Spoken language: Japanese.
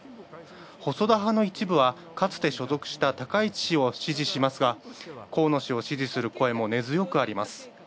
細田派の一部はかつて所属した高市氏を支持しますが、根強くあります。